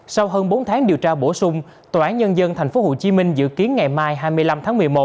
sau hơn bốn tháng điều tra bổ sung tòa án nhân dân tp hcm dự kiến ngày mai hai mươi năm tháng một mươi một